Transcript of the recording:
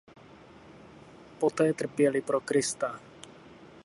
Poté trpěli pro Krista.